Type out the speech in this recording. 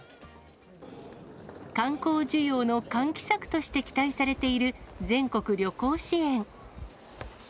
観光需要の喚起策として期待されている、全国旅行支援。